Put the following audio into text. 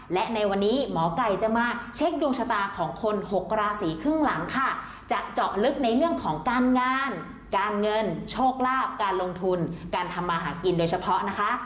และในวันนี้หมอไก่จะมาเช็คดวงชะตาของคนหกราศีครึ่งหลังค่ะจะเจาะลึกในเรื่องของการงานการเงินโชคลาภการลงทุนการทำมาหากินโดยเฉพาะนะคะ